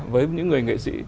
với những người nghệ sĩ